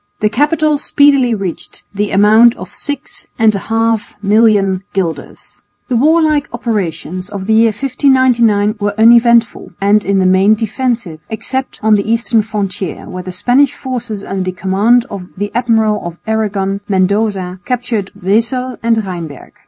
The capital speedily reached the amount of six and a half million guilders. The warlike operations of the year 1599 were uneventful and in the main defensive, except on the eastern frontier where the Spanish forces under the command of the Admiral of Aragon, Mendoza, captured Wesel and Rheinberg.